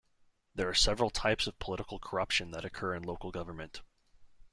There are several types of political corruption that occur in local government.